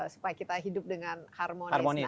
supaya kita hidup dengan harmonis